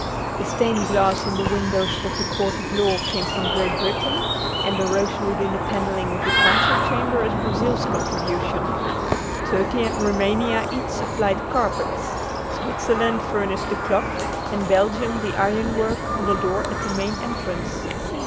The stained glass in the windows of the Court of Law came from Great Britain, and the rosewood in the paneling of the Council Chamber is Brazil's contribution. Turkey and Roumania each supplied carpets, Switzerland furnished the clock, and Belgium the iron work on the door at the main entrance.